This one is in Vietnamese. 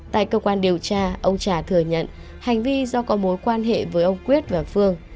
tại cơ quan điều tra ông trà thừa nhận hành vi do có mối quan hệ với ông quyết và phương